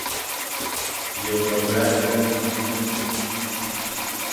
Ye one bera dzo?